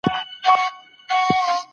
راسه چي دي حسن ته جامې د غزل وا غوندم